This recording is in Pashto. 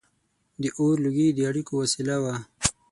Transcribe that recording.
• د اور لوګي د اړیکو وسیله وه.